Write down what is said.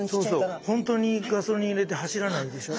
そうそう本当にガソリン入れて走らないでしょ。